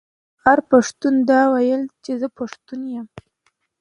هر پښتون دې ووايي چې زه پښتو یم.